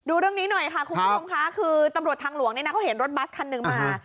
ดูเรื่องนี้หน่อยค่ะคุณผู้ชมค่ะคือตำรวจทางหลวงเนี่ยนะเขาเห็นรถบัสคันหนึ่งมา